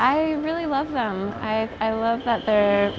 aku suka bahwa mereka dibuat dari kayu dan aku suka warna warna